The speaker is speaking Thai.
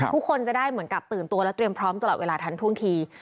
ทุกคนจะได้เหมือนกับตื่นตัวและเตรียมพร้อมตลอดเวลาทันท่วงที